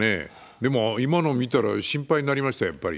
でも、今の見たら心配になりました、やっぱり。